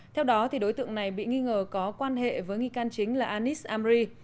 theo đó đối tượng này bị nghi ngờ có quan hệ với nghi can chính là anis amri